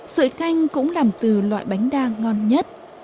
sợi canh cũng làm từ loại bánh đa ngon nhất